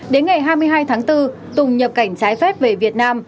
đến ngày hai mươi hai tháng bốn tùng nhập cảnh trái phép về việt nam